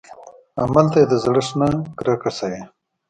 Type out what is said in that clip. املته يې د زړښت نه کرکه شوې.